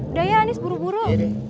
udah ya anies buru buru